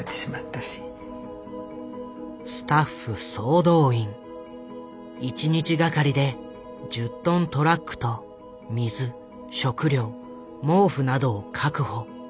スタッフ総動員一日がかりで１０トントラックと水食料毛布などを確保。